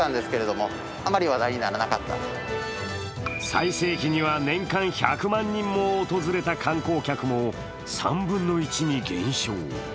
最盛期には、年間１００万人も訪れた観光客も３分のⅠに減少。